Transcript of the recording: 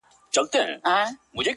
ته د انصاف تمه لا څنګه لرې؟.!